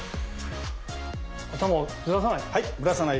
頭をずらさない。